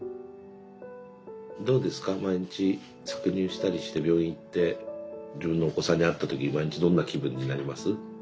どうですか毎日搾乳したりして病院行って自分のお子さんに会った時毎日どんな気分になります？